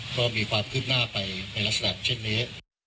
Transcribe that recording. ก็มีความคืบหน้าไปในลักษณะเช่นนี้